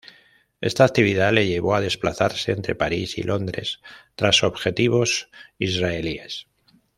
Esta actividad le llevó a desplazarse entre París y Londres, tras objetivos israelíes.